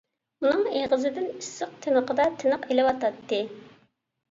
ئۇنىڭ ئېغىزىدىن ئىسسىق تىنىقىدا تىنىق ئېلىۋاتاتتى.